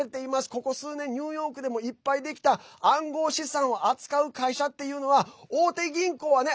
ここ数年、ニューヨークでもいっぱいできた暗号資産を扱う会社っていうのは大手銀行はね